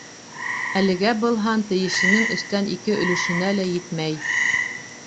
Әлегә был һан тейешленең өстән ике өлөшөнә лә етмәй.